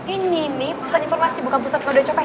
ini ini pusat informasi bukan pusat kode copet